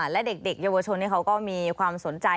และเด็กเยาวชนเขาก็มีความสนใจ